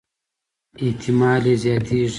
احتمالي یې زياتېږي.